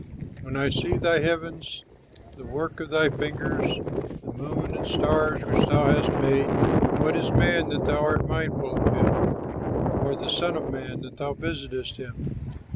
When I see thy heavens, the work of thy fingers, The moon and stars which thou hast made; What is man that thou art mindful of him; Or the son of man that thou visitest him?